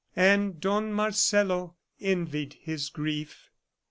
AND DON MARCELO ENVIED HIS GRIEF.